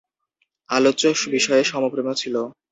আলোচ্য বিষয়ে সমপ্রেমও ছিল।